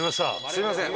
すいません。